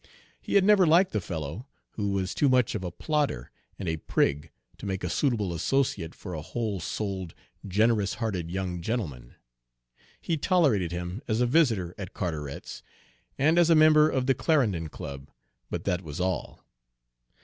He had never liked the fellow, who was too much of a plodder and a prig to make a suitable associate for a whole souled, generous hearted young gentleman. He tolerated him as a visitor at Carteret's and as a member of the Clarendon Club, but that was all.